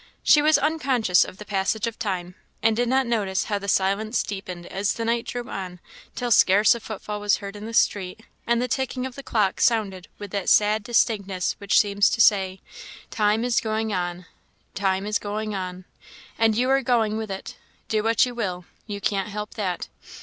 She was unconscious of the passage of time, and did not notice how the silence deepened as the night drew on, till scarce a footfall was heard in the street, and the ticking of the clock sounded with that sad distinctness which seems to say "Time is going on time is going on, and you are going with it do what you will, you can't help that."